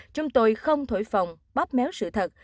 chúng tôi không thổi phòng bóp méo sự thật